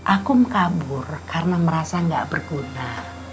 akum kabur karena merasa nggak berguna